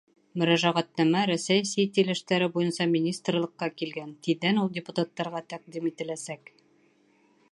Мөрәжәғәтнамә Рәсәй Сит ил эштәре буйынса министрлыҡҡа килгән, тиҙҙән ул депутаттарға тәҡдим ителәсәк.